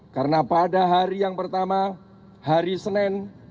karena pada hari yang pertama hari senin